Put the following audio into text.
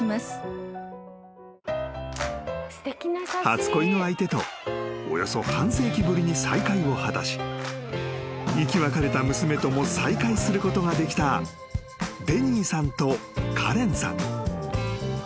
［初恋の相手とおよそ半世紀ぶりに再会を果たし生き別れた娘とも再会することができたデニーさんとカレンさん］